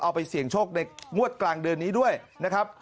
เอาไปเสี่ยงโชคในงวดกลางเดือนนี้ด้วยนะครับ